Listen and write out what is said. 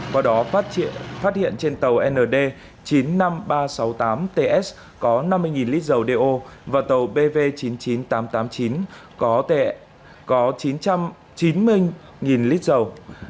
qua đó phát hiện trên tàu nd chín mươi năm nghìn ba trăm sáu mươi tám ts có năm mươi lít dầu đeo và tàu bv chín mươi chín nghìn tám trăm tám mươi chín có chín trăm chín mươi lít dầu